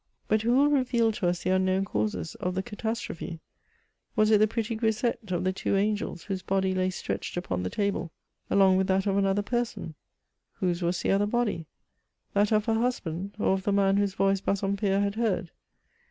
But who will reveal to us .the unknown causes of the catas trophe ? Was it the pretty grisette of the Two Angels, whose body lay stretched upon the table along with that of another 170 MEMOIRS OF person ? Whose was the other hody ? That of her husband, or of the man whose voice Bassompierre had heard